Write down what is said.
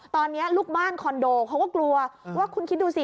ตอนนี้ลูกบ้านคอนโดเขาก็กลัวว่าคุณคิดดูสิ